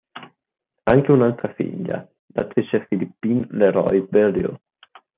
Ha anche un'altra figlia, l'attrice Philippine Leroy-Beaulieu.